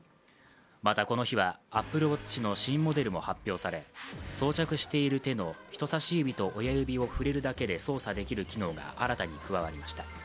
またこの日は、ＡｐｐｌｅＷａｔｃｈの新モデルも発表され装着している手の人さし指と親指を触れるだけで操作できる機能が新たに加わりました。